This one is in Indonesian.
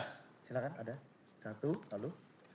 silakan ada satu lalu